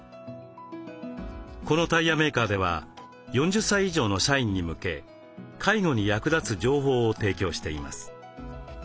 このタイヤメーカーでは４０歳以上の社員に向け介護に役立つ情報を提供しています。